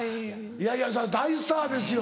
いやいや大スターですよ。